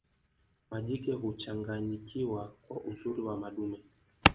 majike huchanganyikiwa kwa uzuri wa madume